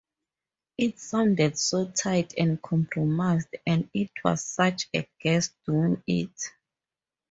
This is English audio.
It sounded so tight and compromised, and it was such a gas doing it.